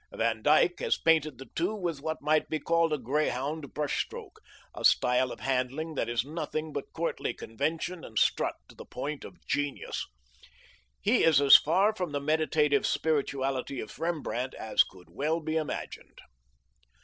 Van Dyck has painted the two with what might be called a greyhound brush stroke, a style of handling that is nothing but courtly convention and strut to the point of genius. He is as far from the meditative spirituality of Rembrandt as could well be imagined.